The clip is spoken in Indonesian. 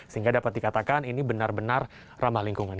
sehingga dapat dikatakan ini benar benar ramah lingkungan